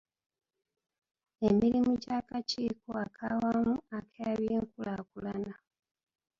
Emirimu gy'akakiiko ak'awamu ak'ebyenkulaakulana.